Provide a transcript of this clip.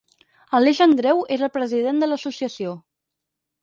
Aleix Andreu era el president de l'associació.